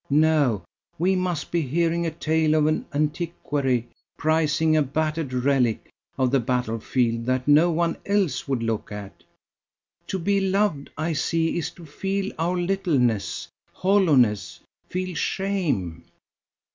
No! we must be hearing a tale of an antiquary prizing a battered relic of the battle field that no one else would look at. To be loved, I see, is to feel our littleness, hollowness feel shame.